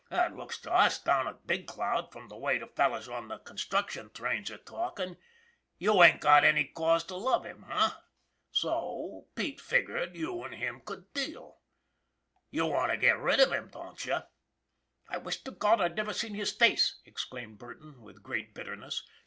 " It looks to us down to Big Cloud, from the way the fellows on the construction trains are talkin', you ain't got any cause to love him, eh? So Pete figured you and him could deal. You want to get rid of him, don't you ?"" I wish to God I'd never seen his face !" exclaimed Burton, with great bitterness.